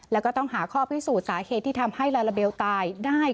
แล้วก็ต้องหาข้อพิสูจน์สาเหตุที่ทำให้ลาลาเบลตายได้